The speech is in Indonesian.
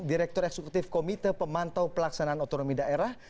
direktur eksekutif komite pemantau pelaksanaan otonomi daerah